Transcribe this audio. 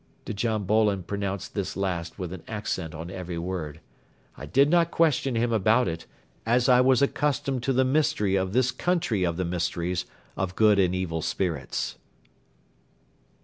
..." Djam Bolon pronounced this last with an accent on every word. I did not question him about it, as I was accustomed to the mystery of this country of the mysteries of good and evil spirits.